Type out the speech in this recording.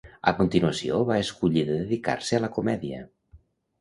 A continuació va escollir de dedicar-se a la comèdia.